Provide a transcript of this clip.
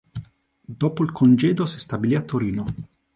Dopo il congedo si stabilì a Torino.